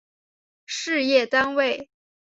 事业单位